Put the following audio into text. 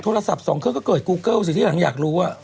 โทรศัพท์สองเครื่องก็เกิดกูเกิ้ลสิที่หลังอยากรู้